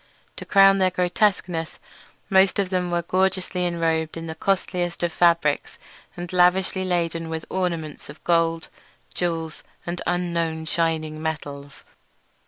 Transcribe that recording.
To crown their grotesqueness, most of them were gorgeously enrobed in the costliest of fabrics, and lavishly laden with ornaments of gold, jewels, and unknown shining metals.